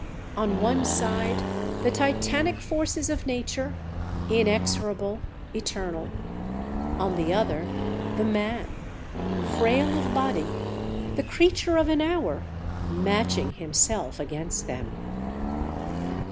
On one side the titanic forces of nature, inexorable, eternal; on the other the man, frail of body, the creature of an hour, matching himself against them.